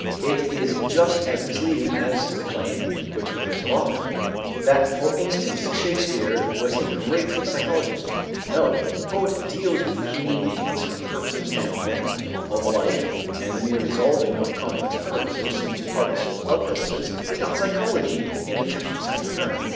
It is just as misleading as the claim, which we hear so often, that for instance Shakespeare was a great psychologist. No, the poet deals with human beings from the purposive standpoint of life and the mere resolving of complex purposes into parts of purposes is not psychology in the technical sense of the term.